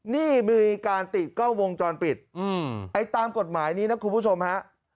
นี่มีการติดกล้องวงจรปิดไอ้ตามกฎหมายนี้นะคุณผู้ชมฮะ